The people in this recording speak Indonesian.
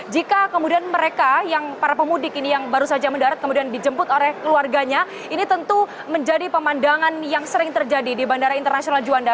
jika kemudian mereka yang para pemudik ini yang baru saja mendarat kemudian dijemput oleh keluarganya ini tentu menjadi pemandangan yang sering terjadi di bandara internasional juanda